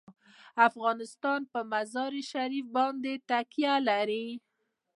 افغانستان په مزارشریف باندې تکیه لري.